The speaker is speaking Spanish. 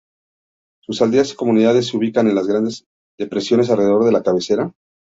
Sus aldeas y comunidades se ubican en las grandes depresiones alrededor de la cabecera.